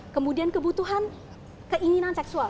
kemudian kebutuhan keinginan seksual